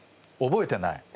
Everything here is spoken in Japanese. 覚えてない？